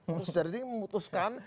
untuk secara dingin memutuskan